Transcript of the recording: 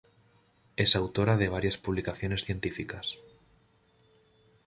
Es autora de varias publicaciones científicas.